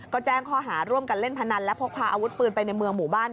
ก็แจ้งข้อหาร่วมกันเล่นพนันและพกพาอาวุธปืนไปในเมืองหมู่บ้าน